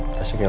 kasih lagi elza